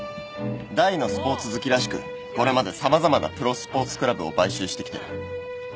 大のスポーツ好きらしくこれまで様々なプロスポーツクラブを買収してきてる。